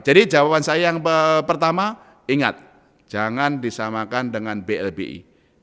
jadi jawaban saya yang pertama ingat jangan disamakan dengan blbi